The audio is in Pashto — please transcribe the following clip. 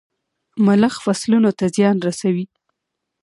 ملخ فصلونو ته زيان رسوي.